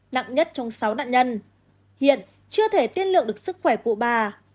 nặng nhất trong sáu nạn nhân hiện chưa thể tiên lượng được sức khỏe cụ bà